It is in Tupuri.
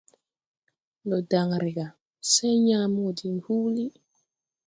Ndo dan re gà, say yãã mo go diŋ huulí.